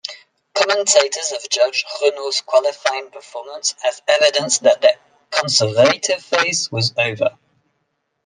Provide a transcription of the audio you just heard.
Commentators have judged Renault's qualifying performance as evidence that their "conservative phase" was over.